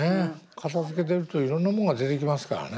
片づけてるといろんなもんが出てきますからね。